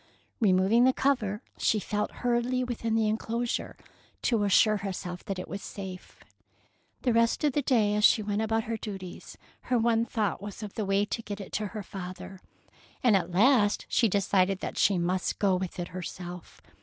" Removing the cover, she felt hurriedly within the enclosure to assure herself that it was safe. The rest of that day, as she went about her duties, her one thought was of the way to get it to her father, and at last she decided that she must go with it herself.